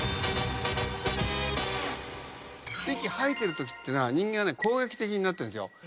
息吐いてるときっていうのは人間攻撃的になってるんですよ。